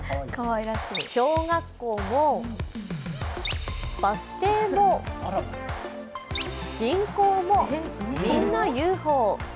小学校も、バス停も、銀行も、みんなＵＦＯ。